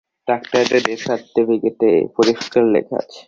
ডাক্তারদের ডেথ সার্টিফিকেটে এ-কথা পরিষ্কার লেখা আছে।